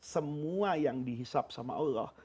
semua yang dihisap sama allah